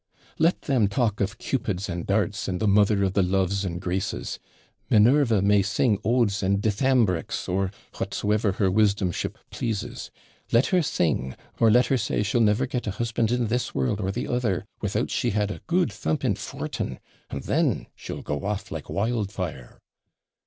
'Let them talk of Cupids and darts, and the mother of the Loves and Graces. Minerva may sing odes and DYTHAMBRICS, or whatsoever her wisdomship pleases. Let her sing, or let her say she'll never get a husband in this world or the other, without she had a good thumping FORTIN, and then she'd go off like wildfire.'